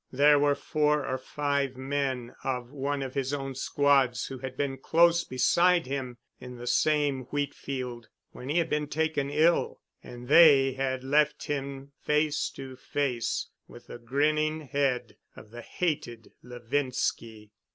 There were four or five men of one of his own squads who had been close beside him in the same wheat field when he had been taken ill and they had left him face to face with the grinning head of the hated Levinski.